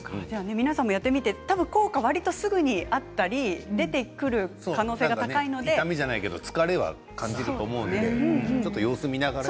皆さんもやってみてわりと効果がすぐに痛みじゃないけど疲れは感じると思うので様子を見ながら。